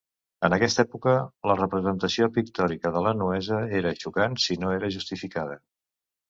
En aquesta època, la representació pictòrica de la nuesa era xocant si no era justificada.